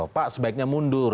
pak sebaiknya mundur